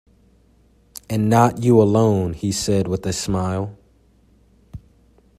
"And not you alone," he said, with a smile.